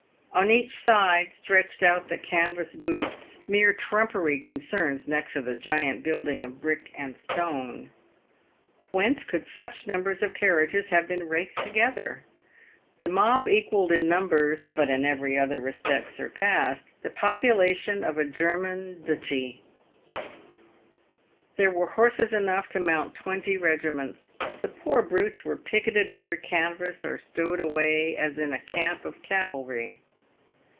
On each side stretched out the canvas booths, mere trumpery concerns next to the giant building of brick and stone. Whence could such numbers of carriages have been raked together ? The mob equalled in numbers (but in every other respect surpassed) the popula tion of a German duchy. There were horses enough to mount twenty regiments. The poor brutes were picketed under canvas, or stowed away as in a camp of cavalry.